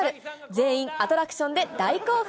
全員、アトラクションで大興奮。